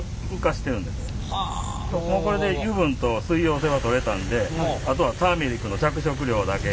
もうこれで油分と水溶性は取れたんであとはターメリックの着色料だけ。